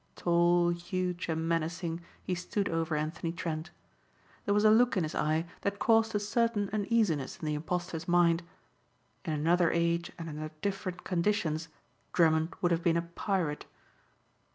Tall, huge and menacing he stood over Anthony Trent. There was a look in his eye that caused a certain uneasiness in the impostor's mind. In another age and under different conditions Drummond would have been a pirate.